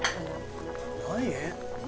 何？